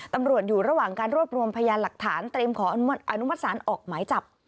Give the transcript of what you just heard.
ตำรวจอยู่ระหว่างการรวบรวมพยานหลักฐานเตรียมขออนุมัติศาลออกหมายจับ